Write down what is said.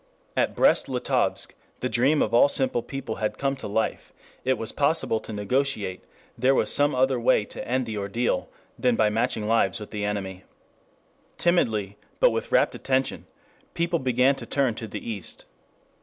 At Brest Litovsk the dream of all simple people had come to life: it was possible to negotiate, there was some other way to end the ordeal than by matching lives with the enemy. Timidly, but with rapt attention, people began to turn to the East.